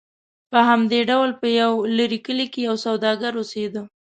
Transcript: په همدې ډول په یو لرې کلي کې یو سوداګر اوسېده.